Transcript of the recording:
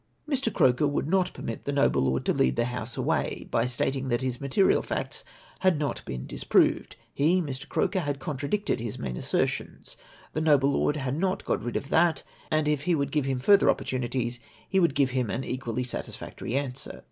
" Mr. Croker would not permit the noble lord to lead the House away ! by stating that his material facts had not been disproved. He (Mr. Croker) had contradicted his main assertions. The noble lord had not got rid of that; and if he would give him further opportunities he would give him an equcdly satisfactory answer